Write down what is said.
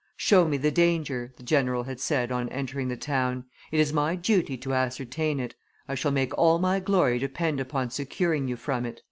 "Show me the danger," the general had said on entering the town; "it is my duty to ascertain it; I shall make all my glory depend upon securing you from it."